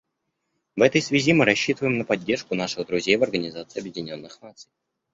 В этой связи мы рассчитываем на поддержку наших друзей в Организации Объединенных Наций.